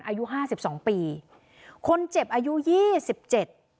อายุห้าสิบสองปีคนเจ็บอายุยี่สิบเจ็ด